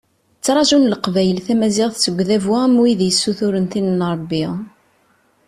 Ttrajun Leqbayel tamaziɣt seg Udabu am wid yessuturen tin n Rebbi.